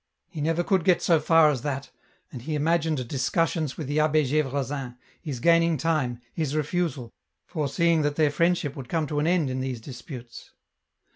He never could get so far as that, and he imagined discussions with the Abbe G^vresin, his gaining time, his refusal, foreseeing that their friendship would come to an end in these disputes.